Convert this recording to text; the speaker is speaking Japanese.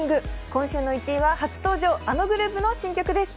今週の１位は初登場あのグループの新曲です。